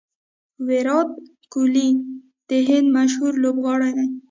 ویرات کهولي د هند مشهوره لوبغاړی دئ.